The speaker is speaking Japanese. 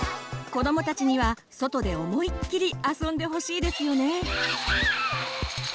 子どもたちには外で思いっきり遊んでほしいですよね。